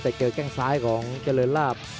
แต่เจอแข้งซ้ายของเจริญลาบ